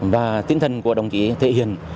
và tinh thần của đồng chí thể hiện